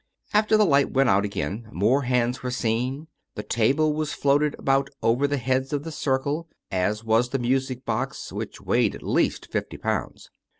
... After the light went out again, more hands were seen; the table was floated about over the heads of the circle, as was the music box, which weighed at least fifty pounds.